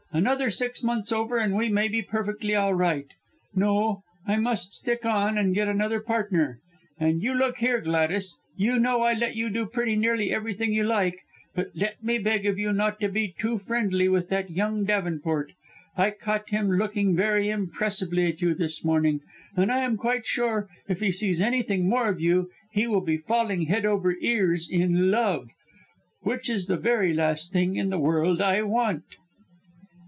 Another six months over, and we may be perfectly all right. No! I must stick on, and get another partner. And look here, Gladys, you know I let you do pretty nearly everything you like. But let me beg of you not to be too friendly with that young Davenport. I caught him looking very impressibly at you this morning, and I am quite sure, if he sees anything more of you, he will be falling head over ears in love. Which is the very last thing in the world I want!"